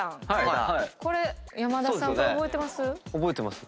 これ山田さん覚えてます？